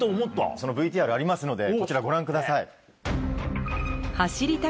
そのＶＴＲありますのでこちらご覧ください。